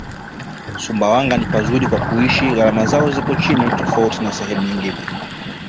Sumbawanga ni pazuri kwa kuishi gharama ziko chini tofauti na sehemu nyngine